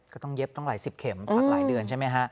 เย็บตั้งหลายสิบเข็มพักหลายเดือนใช่ไหมฮะ